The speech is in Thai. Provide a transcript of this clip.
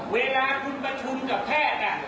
เวลาคุณประชุมกับแพทย์